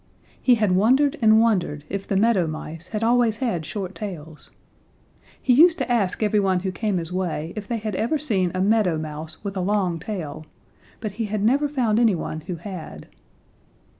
He had wondered and wondered if the Meadow Mice had always had short tails. He used to ask everyone who came his way if they had ever seen a Meadow Mouse with a long tail, but he had never found any one who had.